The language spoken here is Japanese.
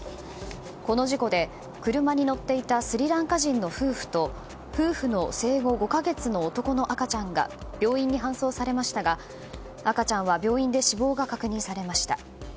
この事故で、車に乗っていたスリランカ人の夫婦と夫婦の生後５か月の男の赤ちゃんが病院に搬送されましたが赤ちゃんは病院で死亡が確認されました。